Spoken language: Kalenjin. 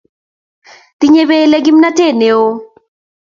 Tinyei belek kimnatet neo